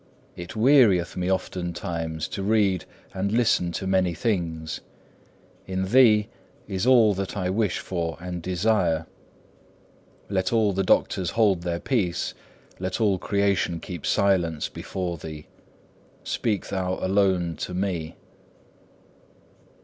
It wearieth me oftentimes to read and listen to many things; in Thee is all that I wish for and desire. Let all the doctors hold their peace; let all creation keep silence before Thee: speak Thou alone to me.